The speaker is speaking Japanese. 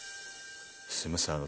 すいませんあの。